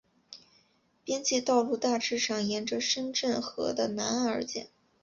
边界道路大致上沿着深圳河的南岸而建。